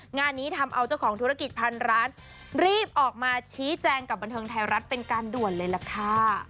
งานนี้ทำเอาเจ้าของธุรกิจพันร้านรีบออกมาชี้แจงกับบันเทิงไทยรัฐเป็นการด่วนเลยล่ะค่ะ